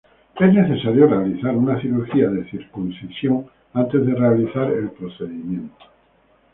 Es necesario realizar una cirugía de circuncisión antes de realizar el procedimiento.